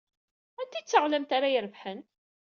Anta ay d taɣlamt ara irebḥen?